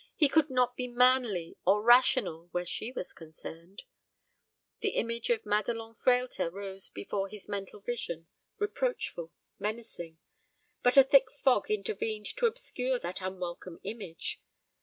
He could not be manly or rational where she was concerned. The image of Madelon Frehlter rose before his mental vision, reproachful, menacing; but a thick fog intervened to obscure that unwelcome image.